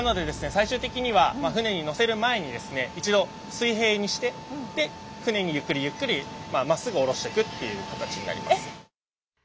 最終的には船にのせる前にですね一度水平にしてで船にゆっくりゆっくりまあまっすぐおろしてくっていう形になります。